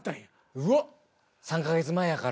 うわっ３か月前やから。